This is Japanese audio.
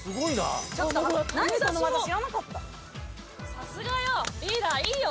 さすがよ！